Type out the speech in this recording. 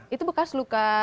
itu bekas luka